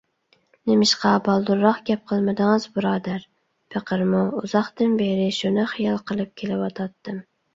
نېمىشقا بالدۇرراق گەپ قىلمىدىڭىز بۇرادەر؟ پېقىرمۇ ئۇزاقتىن بېرى شۇنى خىيال قىلىپ كېلىۋاتاتتىم.